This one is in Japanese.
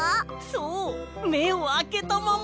そうめをあけたまま！